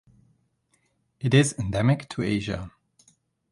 It is endemic to Asia.